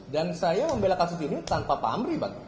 saya membela kasus ini tanpa pamri bang